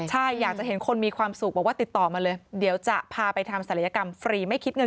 ใช่อยากจะเห็นคนมีความสุขบอกว่าติดต่อมาเลยเดี๋ยวจะพาไปทำศัลยกรรมฟรีไม่คิดเงิน